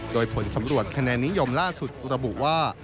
โดยผลสำรวจคะแนนนิยมล่าสุดระบุว่า